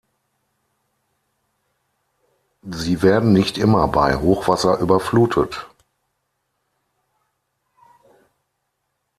Sie werden nicht immer bei Hochwasser überflutet.